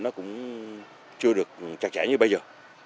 nó cũng chưa được chặt chẽ như bây giờ